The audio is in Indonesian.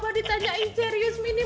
apa ditanyain serius mini